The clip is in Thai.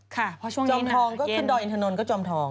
ค่ะเพราะช่วงนี้จอมทองก็ขึ้นดอยอินทนนท์จอมทอง